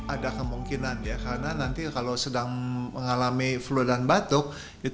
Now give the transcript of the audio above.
ada kemungkinan ya karena nanti kalau sedang mengalami flu dan batuk